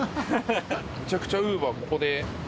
めちゃくちゃウーバーここで。